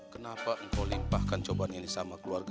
kenapa engkau limpahkan cobaan ini sama keluarga